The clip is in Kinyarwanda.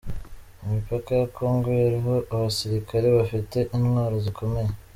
Imipaka ya kongo yariho abasirikare bafite intwaro zikomeye.